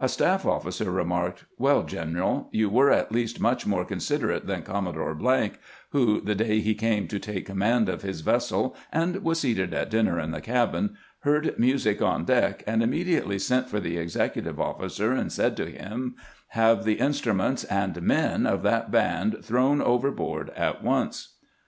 A staff officer remarked: ""Well, general, you were at least much more considerate than Commodore , who, the day he came to take command of his vessel, and was seated at dinner in the cabin, heard music on deck, and immediately sent for the executive officer and said to him :' Have the instruments and men of that band thrown overboard at once